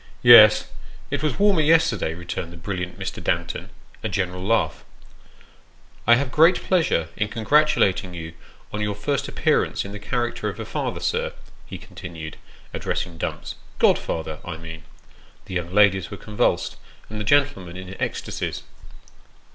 " Yes. It was warmer yesterday," returned the brilliant Mr. Danton. A general laugh. " I have great pleasure in congratulating you on your first appear ance in the character of a father, sir," he continued, addressing Dumps " godfather, I mean." The young ladies were convulsed, and the gentlemen in ecstasies.